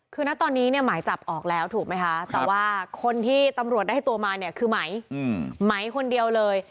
คือนะตอนนี้เนี่ยหมายจับออกแล้วถูกไหมคะแต่ว่าคนที่ตำรวจได้ให้ตัวมาเนี่ยคือไหมไหมคนเดียวเลย